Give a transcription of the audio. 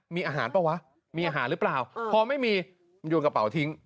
มีอาหารเปล่าวะมีอาหารหรือเปล่าพอไม่มีมันโยนกระเป๋าทิ้ง